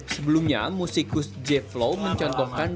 sebelumnya musikus j flow mencontohkan